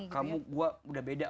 kamu gue udah beda